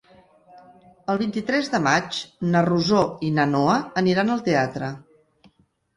El vint-i-tres de maig na Rosó i na Noa aniran al teatre.